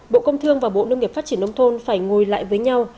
bộ công thương và bộ nông nghiệp phát triển nông thôn phải ngồi lại với nhau